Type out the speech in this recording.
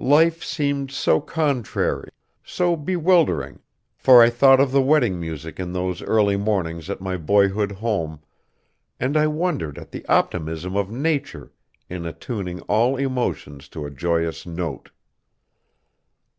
Life seemed so contrary, so bewildering, for I thought of the wedding music in those early mornings at my boyhood home, and I wondered at the optimism of Nature in attuning all emotions to a joyous note.